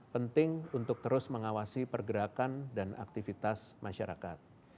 penting untuk terus mengawasi pergerakan dan aktivitas masyarakat